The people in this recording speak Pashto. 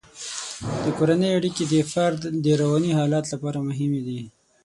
د کورنۍ اړیکې د فرد د رواني حالت لپاره مهمې دي.